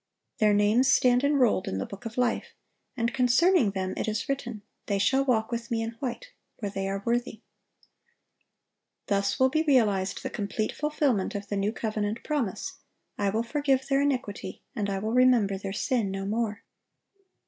(862) Their names stand enrolled in the book of life, and concerning them it is written, "They shall walk with Me in white: for they are worthy."(863) Thus will be realized the complete fulfilment of the new covenant promise, "I will forgive their iniquity, and I will remember their sin no more."